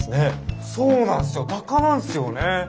そうなんすよ鷹なんすよね。